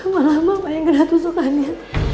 malah mama yang kena tusukannya